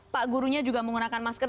pak gurunya juga menggunakan masker